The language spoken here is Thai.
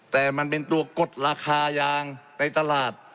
แต่มันเป็นตัวกดราคายางในตลาด